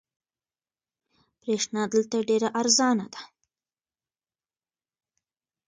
برېښنا دلته ډېره ارزانه ده.